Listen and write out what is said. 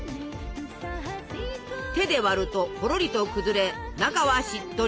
手で割るとほろりと崩れ中はしっとり。